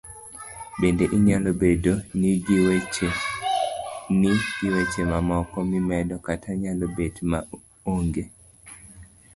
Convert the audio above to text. Bende inyalo bedo n gi weche mamoko mimedo kata nyalo bet ma onge.